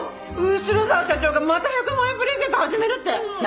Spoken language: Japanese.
後沢社長がまた１００万円プレゼント始めるって！何！？